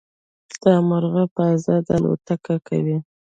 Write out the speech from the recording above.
دا مرغه په ازادۍ الوت کوي.